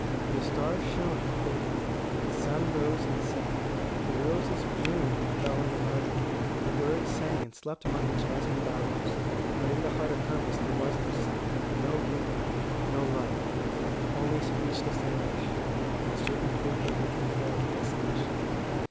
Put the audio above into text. The stars shone and faded; the sun rose and set; the roses bloomed and fell in the garden; the birds sang and slept among the jasmine bowers. But in the heart of Hermas there was no song, no bloom, no light only speechless anguish, and a certain fearful looking for of desolation.